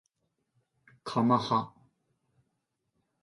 かまは